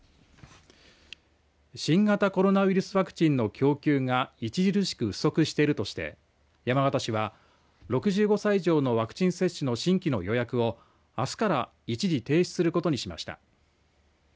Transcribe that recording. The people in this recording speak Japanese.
新型コロナウイルスワクチンの供給が著しく不足しているとして山形市は６５歳以上のワクチン接種の新規の予約を、あすから一時停止することにしました。